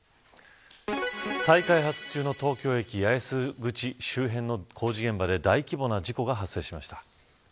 再開発中の東京駅八重洲口周辺の工事現場で大規模な事故が発生しました。